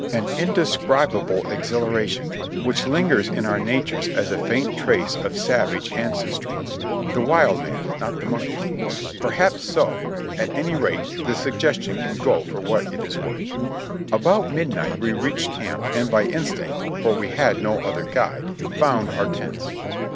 An indescribable exhilaration, which hngers in our natures as a faint trace of savage ancestry, — the wild man, not the monkey. Perhaps so ; at any rate the sugges tion can go for what it is worth. About midnight we reached camp and by instinct, for we had no other guide, found our tents.